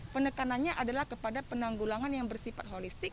penekanannya adalah kepada penanggulangan yang bersifat holistik